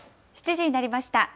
７時になりました。